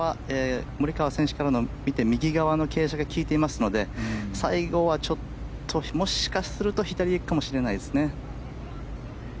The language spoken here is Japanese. モリカワ選手から見て右側の傾斜が利いていますので最後はちょっともしかすると左に行くかもしれないですね。